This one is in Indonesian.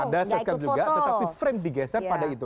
ada siskap juga tetapi frame digeser pada itu